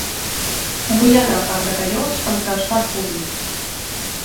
Vull anar a Gratallops amb trasport públic.